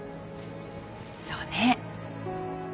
そうね